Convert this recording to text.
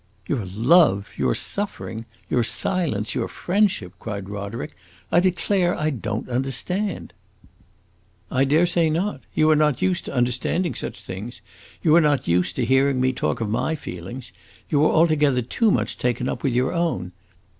"Your love your suffering your silence your friendship!" cried Roderick. "I declare I don't understand!" "I dare say not. You are not used to understanding such things you are not used to hearing me talk of my feelings. You are altogether too much taken up with your own.